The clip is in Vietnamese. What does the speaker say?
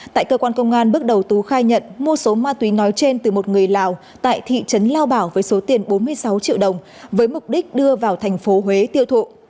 tại cơ quan công an bước đầu tú khai nhận mua số ma túy nói trên từ một người lào tại thị trấn lao bảo với số tiền bốn mươi sáu triệu đồng với mục đích đưa vào thành phố huế tiêu thụ